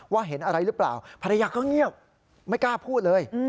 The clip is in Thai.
เห็นอะไรหรือเปล่าภรรยาก็เงียบไม่กล้าพูดเลย